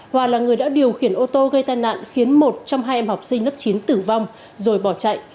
hòa là người đã điều khiển ô tô gây tai nạn khiến một trong hai em học sinh lớp chín tử vong rồi bỏ chạy